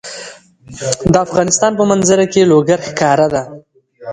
د افغانستان په منظره کې لوگر ښکاره ده.